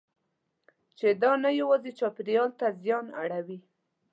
چې دا نه یوازې چاپېریال ته زیان اړوي.